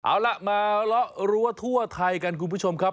เอาล่ะมาเลาะรั้วทั่วไทยกันคุณผู้ชมครับ